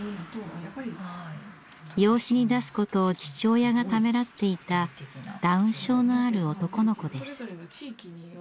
養子に出すことを父親がためらっていたダウン症のある男の子です。